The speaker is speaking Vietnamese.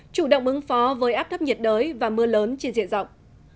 chủ động ứng phó với áp thấp nhiệt đới và mưa lớn trên diện rộng